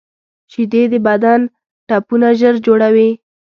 شیدې د بدن ټپونه ژر جوړوي